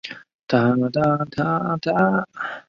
石隙掠蛛为平腹蛛科掠蛛属的动物。